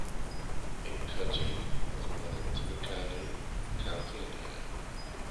McCutcheon was born in Tippecanoe County, Indiana.